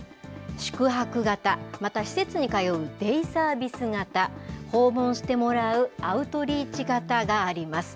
宿泊型、また、施設に通うデイサービス型、訪問してもらうアウトリーチ型があります。